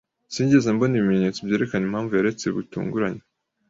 Sinigeze mbona ibimenyetso byerekana impamvu yaretse bitunguranye.